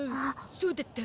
そうだった。